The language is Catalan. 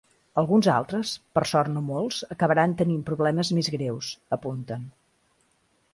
“Alguns altres, per sort no molts, acabaran tenint problemes més greus”, apunten.